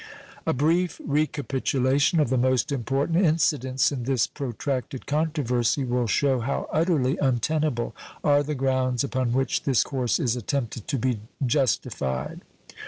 A brief recapitulation of the most important incidents in this protracted controversy will shew how utterly untenable are the grounds upon which this course is attempted to be justified.